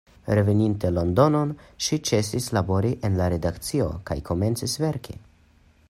Reveninte Londonon, ŝi ĉesis labori en la redakcio kaj komencis verki.